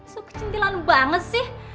lu kecintilan banget sih